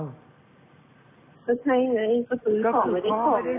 ก็ใช่ไงก็ซื้อของไม่ได้ขอเลย